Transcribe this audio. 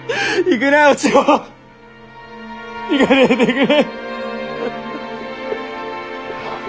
・逝かないでくれ！